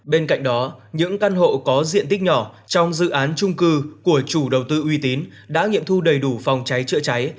bên cạnh đó những căn hộ có diện tích nhỏ trong dự án trung cư của chủ đầu tư uy tín đã nghiệm thu đầy đủ phòng cháy chữa cháy